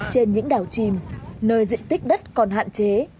trên những đảo chìm nơi diện tích đất còn hạn chế